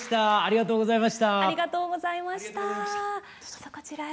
ありがとうございます。